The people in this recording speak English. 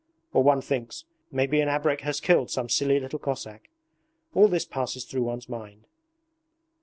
Or one thinks, "Maybe an abrek has killed some silly little Cossack." All this passes through one's mind.